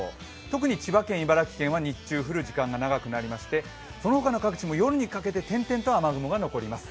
特に千葉県、茨城県は日中降る時間が長くなりましてそのほかの各地も、夜にかけて点々と雨雲が残ります。